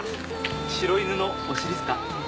白犬のお尻っすか？